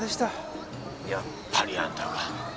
やっぱりあんたか。